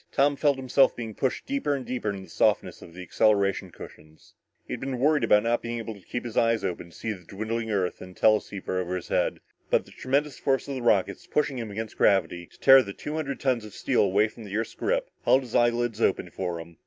Tom felt himself being pushed deeper and deeper into the softness of the acceleration cushions. He had been worried about not being able to keep his eyes open to see the dwindling Earth in the teleceiver over his head, but the tremendous force of the rockets pushing him against gravity to tear the two hundred tons of steel away from the Earth's grip held his eyelids open for him.